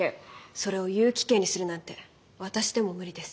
それを有期刑にするなんて私でも無理です。